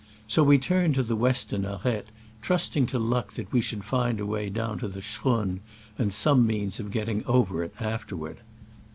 So we turned to the western arete, trusting to luck that we should find a way down to the schrund, and some means of getting over it afterward.